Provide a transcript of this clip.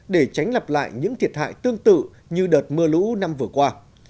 để tránh lặp lại những thiệt hại tương tự như đợt mưa lũ năm vừa qua